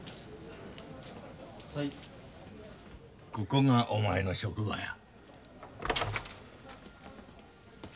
ここがお前の職場や。